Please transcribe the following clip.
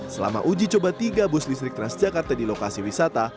selama uji coba tiga bus listrik transjakarta di lokasi wisata